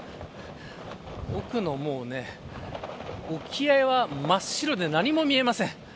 奥の沖合は真っ白で何も見えません。